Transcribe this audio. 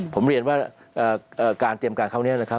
ผมเรียนว่าการเตรียมการคราวนี้